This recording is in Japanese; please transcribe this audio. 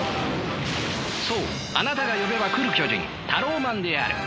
そうあなたが呼べば来る巨人タローマンである。